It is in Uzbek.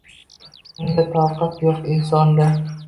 Unga toqat yo’q insonda